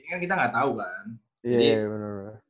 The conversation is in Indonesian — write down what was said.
ini kan kita gak tau kan